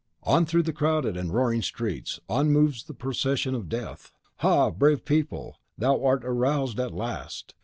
On, through the crowded and roaring streets, on moves the Procession of Death. Ha, brave people! thou art aroused at last.